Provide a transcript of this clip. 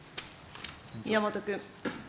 宮本君。